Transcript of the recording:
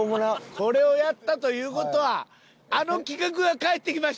これをやったという事はあの企画が帰ってきました。